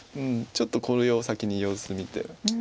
ちょっとこれを先に様子見て。